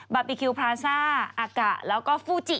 บาร์บีคิวพราซ่าอากะแล้วก็ฟูจิ